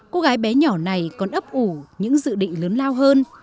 cô gái bé nhỏ này còn ấp ủ những dự định lớn lao hơn